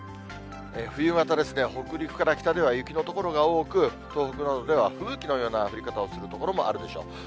冬型ですね、北陸から北では雪の所が多く、東北などでは吹雪のような降り方をする所もあるでしょう。